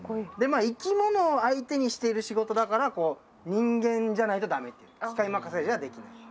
生き物を相手にしている仕事だから人間じゃないとダメっていう機械任せじゃできない。